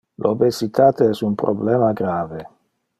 Le obesitate es un problema grave.